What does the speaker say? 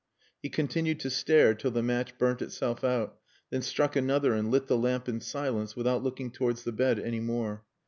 He continued to stare till the match burnt itself out; then struck another and lit the lamp in silence without looking towards the bed any more.